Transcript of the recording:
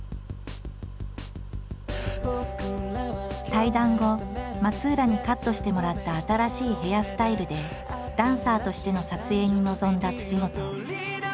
対談後松浦にカットしてもらった新しいヘアスタイルでダンサーとしての撮影に臨んだ本。